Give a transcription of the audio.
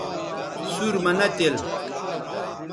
سُور مہ نہ تِل